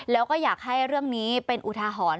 แล้วก็อยากให้เรื่องนี้เป็นอุทาหรณ์